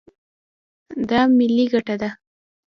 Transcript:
دا ملي ګټه ده.